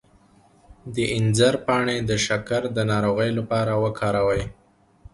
د انځر پاڼې د شکر د ناروغۍ لپاره وکاروئ